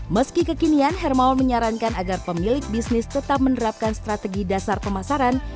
meski kekinian hermawan menyarankan agar pemilik bisnis tetap menerapkan strategi dasar pemasaran